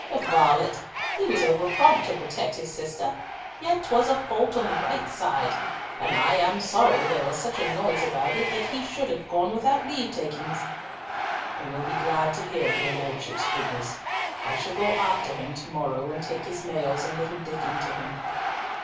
"The varlet! He was over prompt to protect his sister, yet 'twas a fault on the right side, and I am sorry there was such a noise about it that he should have gone without leave takings." "He will be glad to hear of your Lordship's goodness. I shall go after him to morrow and take his mails and little Diccon to him."